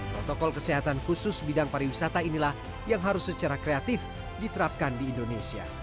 protokol kesehatan khusus bidang pariwisata inilah yang harus secara kreatif diterapkan di indonesia